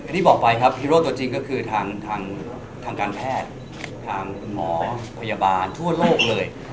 ที่บอกไปครับฮีโร่ตัวจริงก็คือทางการแพทย์ทางคุณหมอพยาบาลทั่วโลกเลย